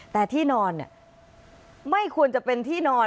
แต่ที่นอนไม่ควรจะเป็นที่นอน